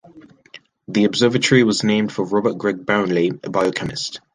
The observatory was named for Robert Gregg Brownlee, a biochemist.